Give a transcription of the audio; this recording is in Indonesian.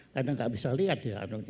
karena tidak bisa melihat